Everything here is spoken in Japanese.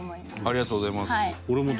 ありがとうございます。